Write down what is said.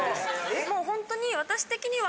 もうホントに私的には。